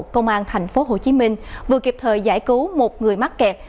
công an tp hcm vừa kịp thời giải cứu một người mắc kẹt